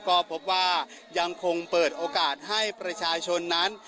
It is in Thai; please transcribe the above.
ก็พบว่ายังคงเปิดโอกาสให้ประชาชนนั้น